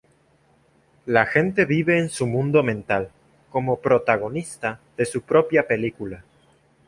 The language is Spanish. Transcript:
La gente vive en su mundo mental como protagonista de su propia película.